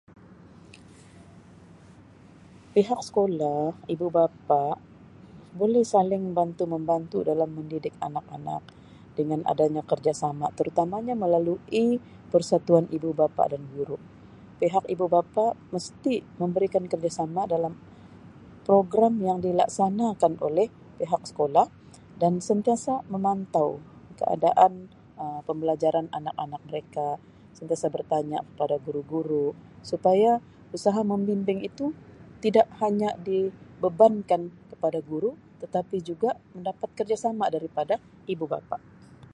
pihak sekolah ibu bapa boleh saling bantu membantu dalam mendidik anak-anak dengan adanya kerjasama terutamanya melalui persatuan ibu bapa dan guru pihak ibu bapa mesti memberikan kerjasama dalam program yang dilaksanakan oleh pihak sekolah dan sentiasa memantau keadaan Um pembelajaran anak-anak mereka, sentiasa bertanya kepada guru-guru supaya usaha membimbing itu tidak hanya dibebankan kepada guru tetapi juga mendapat kerjasama daripada ibu bapa.